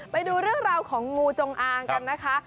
ไปดูเรื่องราวของงูจงอางกันนะคะ